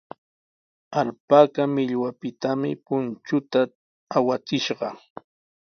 Alpaka millwapitami punchunta awachishqa.